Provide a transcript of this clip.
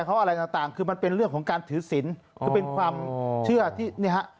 เขาอะไรต่างคือมันเป็นเรื่องของการถือศิลป์คือเป็นความเชื่อที่เนี่ยฮะ